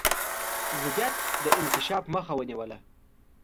ضدیت د انکشاف مخه ونیوله.